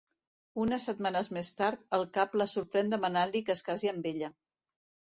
Unes setmanes més tard, el Cap la sorprèn demanant-li que es casi amb ella.